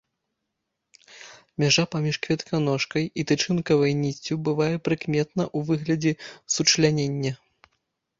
Мяжа паміж кветаножкай і тычынкавай ніццю бывае прыкметна ў выглядзе сучлянення.